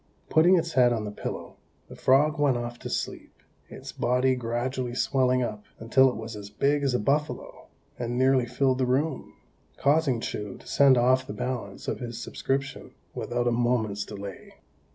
Putting its head on the pillow, the frog went off to sleep, its body gradually swelling up until it was as big as a buffalo, and nearly filled the room, causing Chou to send off the balance of his subscription without a moment's delay.